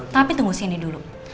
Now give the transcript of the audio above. tapi tunggu sini dulu